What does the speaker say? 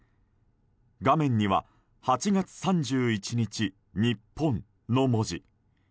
画面には「８月３１日日本」の文字。